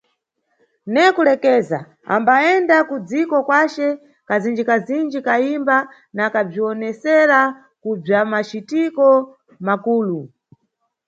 Ne kulekeza, ambayenda kudziko kwace kazindjikazindji kayimba na kabzwiwonesera kubzwamacitiko makulu.